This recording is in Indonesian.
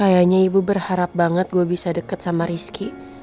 kayanya ibu berharap banget gue bisa deket sama rizki